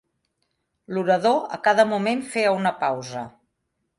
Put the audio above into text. L'orador a cada moment feia una pausa.